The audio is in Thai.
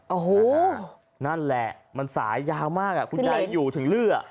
โอ้โหนั่นแหละมันสายยาวมากคุณยายอยู่ถึงเลือด